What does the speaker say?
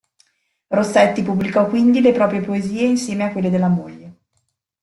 Rossetti pubblicò quindi le proprie poesie insieme a quelle della moglie.